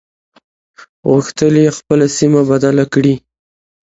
غوښتل يې خپله سيمه بدله کړي.